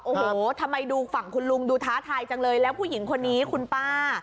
โอ้โหทำไมดูฝั่งคุณลุงดูท้าทายจังเลยแล้วผู้หญิงคนนี้คุณป้า